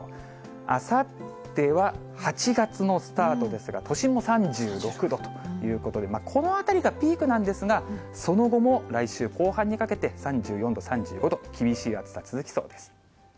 あさっては８月のスタートですが、都心も３６度ということで、このあたりがピークなんですが、その後も来週後半にかけて、３４度、３５度、厳しい暑さ、続きそうです。